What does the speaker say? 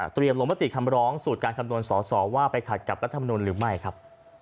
ลงมติคำร้องสูตรการคำนวณสอสอว่าไปขัดกับรัฐมนุนหรือไม่ครับ